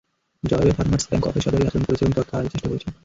জবাবে Farmers Bank অপেশাদারি আচরণ করেছে এবং তথ্য আড়ালের চেষ্টা করেছে।